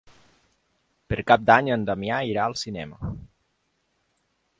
Per Cap d'Any en Damià irà al cinema.